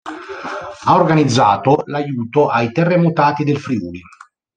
Ha organizzato l'aiuto ai terremotati del Friuli.